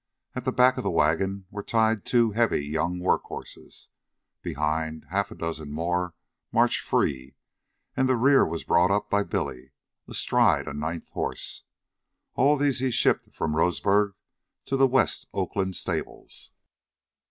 At the back of the wagon were tied two heavy young work horses. Behind, half a dozen more marched free, and the rear was brought up by Billy, astride a ninth horse. All these he shipped from Roseburg to the West Oakland stables.